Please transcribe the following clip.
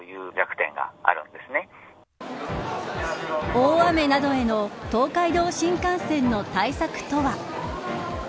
大雨などへの東海道新幹線の対策とは。